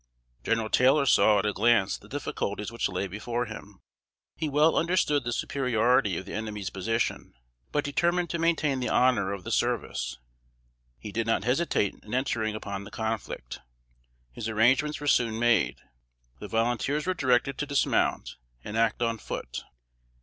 General Taylor saw at a glance the difficulties which lay before him. He well understood the superiority of the enemy's position, but determined to maintain the honor of the service. He did not hesitate in entering upon the conflict. His arrangements were soon made. The volunteers were directed to dismount, and act on foot.